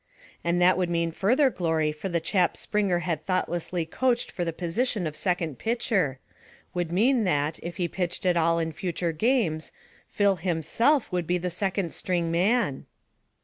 And that would mean further glory for the chap Springer had thoughtlessly coached for the position of second pitcher; would mean that, if he pitched at all in future games, Phil himself would be the second string man.